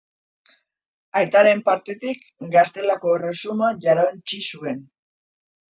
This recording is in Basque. Aitaren partetik Gaztelako Erresuma jarauntsi zuen.